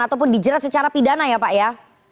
ataupun dijerat secara pidana ya pak ya